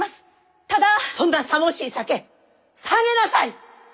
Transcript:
そんなさもしい酒下げなさい！